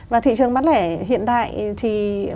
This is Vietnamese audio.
và thị trường bán lẻ hiện đại